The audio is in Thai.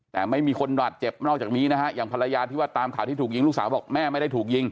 แต่ไม่มีคนบาดเจ็บนอกจากนี้นะฮะอย่างภรรยาที่ว่าตามข่าวที่ถูกยิงลูกสาวบอกแม่ไม่ได้ถูกยิง